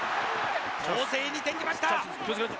攻勢に転じました。